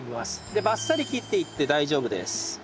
でバッサリ切っていって大丈夫です。